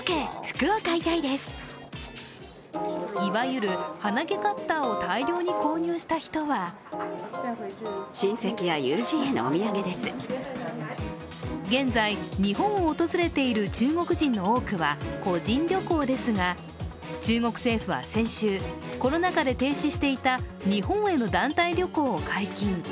いわゆる鼻毛カッターを大量に購入した人は現在、日本を訪れている中国人の多くは個人旅行ですが中国政府は先週、コロナ禍で停止していた日本への団体旅行を解禁。